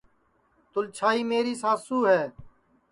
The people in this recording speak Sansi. تُلچھائی میری ساسُو ہے